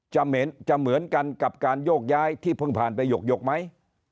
จะเหมือนกันกับการโยกย้ายที่เพิ่งผ่านไปหยกไหม